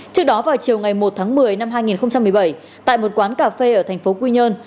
trước đó vào chiều ngày một tháng một mươi năm hai nghìn một mươi bảy tại một quán cà phê ở thành phố quy nhơn